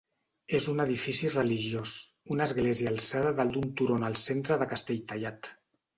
És un edifici religiós, una església alçada dalt d'un turó en el centre de Castelltallat.